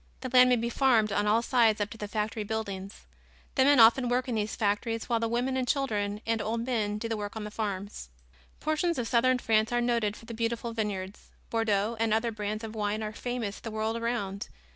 The land may be farmed on all sides up to the factory buildings. The men often work in these factories while the women and children and old men do the work on the farms. Portions of southern France are noted for the beautiful vineyards. Bordeaux and other brands of wine are famous the world around.